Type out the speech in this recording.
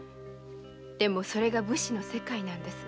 でもそれが武士の世界なのです。